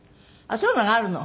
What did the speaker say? あっそういうのがあるの？